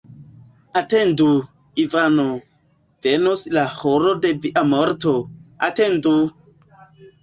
Atendu, Ivano: venos la horo de via morto, atendu!